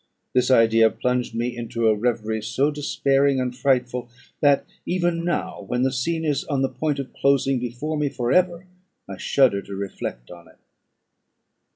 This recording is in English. This idea plunged me into a reverie, so despairing and frightful, that even now, when the scene is on the point of closing before me for ever, I shudder to reflect on it.